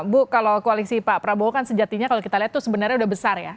bu kalau koalisi pak prabowo kan sejatinya kalau kita lihat tuh sebenarnya udah besar ya